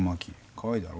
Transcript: かわいいだろ？